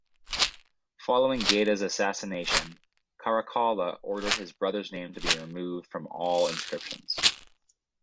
Following Geta's assassination, Caracalla ordered his brother's name to be removed from all inscriptions.